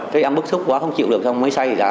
thế em bức xúc quá không chịu được xong mới say ra